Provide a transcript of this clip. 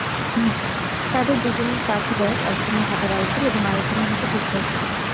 তাঁদের দুজনের কাঁধে ব্যাগ, একজনের হাতে রাইফেল এবং আরেকজনের হাতে পিস্তল ছিল।